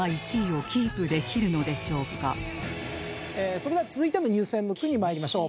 それでは続いての入選の句にまいりましょう。